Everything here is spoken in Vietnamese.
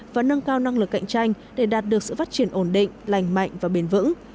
và nâng cao năng lực cạnh tranh để đạt được sự phát triển ổn định lành mạnh và bền vững